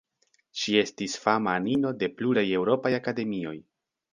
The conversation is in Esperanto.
Ŝi estis fama anino de pluraj eŭropaj akademioj.